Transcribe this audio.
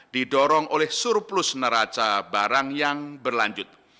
didorong oleh surplus neraca barang yang berlanjut